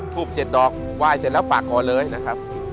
ธุบเจ็ดดอกว่ายเสร็จแล้วปากกอเลยนะครับ